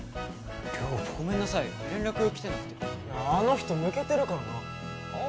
ごめんなさい連絡来てなくてあの人抜けてるからなあ